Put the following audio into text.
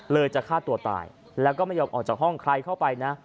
จะฆ่าตัวตายแล้วก็ไม่ยอมออกจากห้องใครเข้าไปนะ